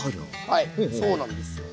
はいそうなんですよ。